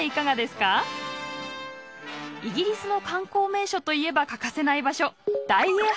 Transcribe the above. イギリスの観光名所といえば欠かせない場所